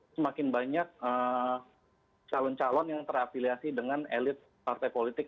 semakin banyak calon calon yang terafiliasi dengan elit partai politik